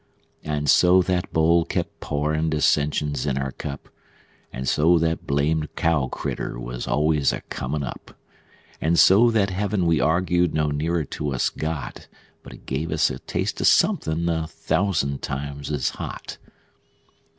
And so that bowl kept pourin' dissensions in our cup; And so that blamed cow critter was always a comin' up; And so that heaven we arg'ed no nearer to us got, But it gave us a taste of somethin' a thousand times as hot.